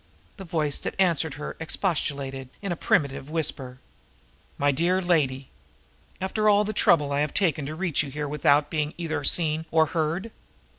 The voice that answered her expostulated in a plaintive whisper: "My dear lady! And after all the trouble I have taken to reach here without being either seen or heard!"